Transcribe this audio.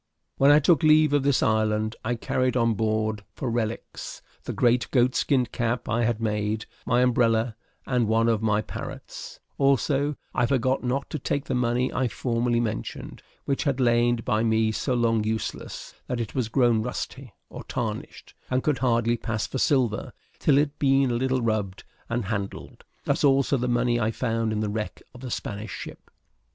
When I took leave of this island, I carried on board, for relics, the great goat skin cap I had made, my umbrella, and one of my parrots; also, I forgot not to take the money I formerly mentioned, which had lain by me so long useless that it was grown rusty or tarnished, and could hardly pass for silver till it had been a little rubbed and handled, as also the money I found in the wreck of the Spanish ship.